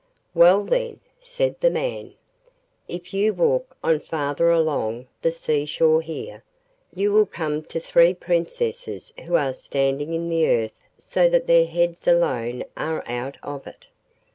'Well, then,' said the man, 'if you walk on farther along the seashore here, you will come to three princesses who are standing in the earth so that their heads alone are out of it.